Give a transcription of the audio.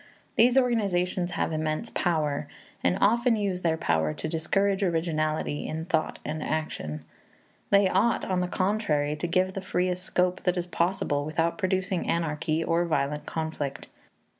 These organizations have immense power, and often use their power to discourage originality in thought and action. They ought, on the contrary, to give the freest scope that is possible without producing anarchy or violent conflict.